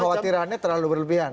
jadi khawatirannya terlalu berlebihan